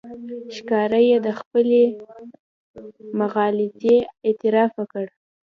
ښکاره یې د خپلې مغالطې اعتراف وکړ.